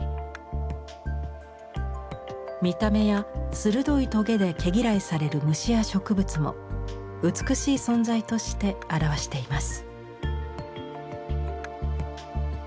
見た目や鋭いトゲで毛嫌いされる虫や植物も美しい存在として表しています。